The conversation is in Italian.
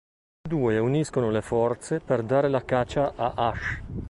Le due uniscono le forze per dare la caccia a Ash.